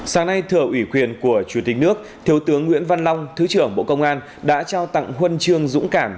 sáng nay thừa ủy quyền của chủ tịch nước thiếu tướng nguyễn văn long thứ trưởng bộ công an đã trao tặng huân chương dũng cảm